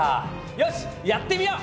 よしやってみよう！